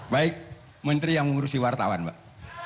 baik menteri yang mengurusi wartawan pak